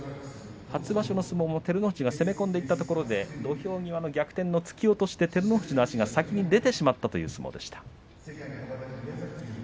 初場所の相撲も照ノ富士が攻め込んでいったところで土俵際の逆転の突き落としで照ノ富士の足が先に出てしまったという相撲でした。